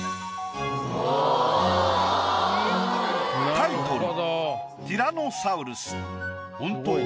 タイトル